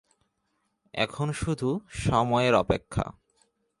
এখন শুধু সময়ের অপেক্ষা।